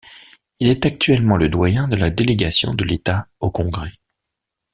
Il est actuellement le doyen de la délégation de l'État au Congrès.